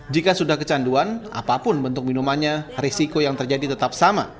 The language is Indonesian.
jika sudah kecanduan apapun bentuk minumannya risiko yang terjadi tetap sama